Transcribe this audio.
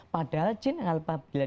padahal jin alpabila